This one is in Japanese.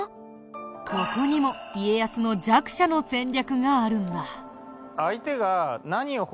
ここにも家康の弱者の戦略があるんだ。